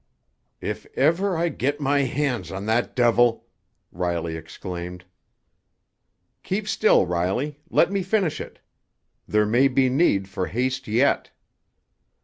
"If ever I get my hands on that devil——" Riley exclaimed. "Keep still, Riley—let me finish it! There may be need for haste yet."